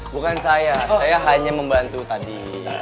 bukan saya saya hanya membantu tadi